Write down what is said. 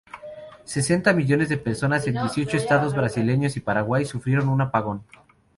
Sesenta millones de personas en dieciocho estados brasileños y Paraguay sufrieron un apagón.